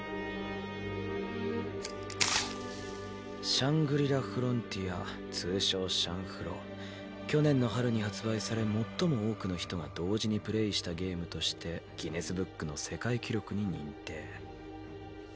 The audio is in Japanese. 「シャングリラ・フロンティア通称去年の春に発売され最も多くの人が同時にプレイしたゲームとしてギネスブぷはっ。